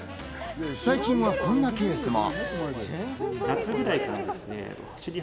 最近はこんなケースも。